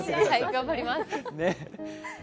頑張ります。